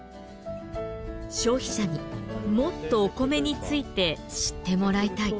消費者にもっとお米について知ってもらいたい。